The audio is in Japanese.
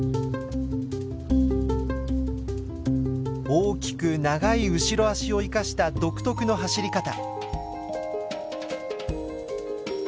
大きく長い後ろ足を生かした独特の走り方。